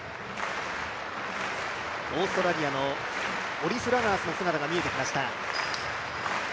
オーストラリアのオリスラガースの姿が見えてきました。